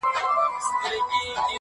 o نه یو بل موږک پرېږدي و خپلي خواته,